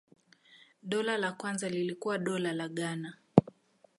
Dola la kwanza lilikuwa Dola la Ghana.